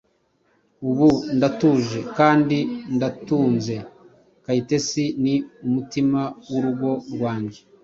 Ubu ndatuje kandi ndatunze, Kayitesi ni umutima w’urugo rwange,